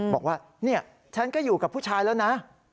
บอกว่าเนี่ยฉันก็อยู่กับผู้ชายแล้วนะ